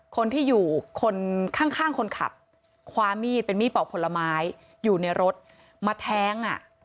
คนที่อยู่คนข้างคนขับคว้ามีดเป็นมีดปอกผลไม้อยู่ในรถมาแท้งอ่ะ